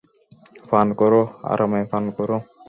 পান করো, আরামে পান করো।